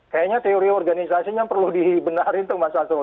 kayaknya teori organisasinya perlu dibenarin tuh mas arsul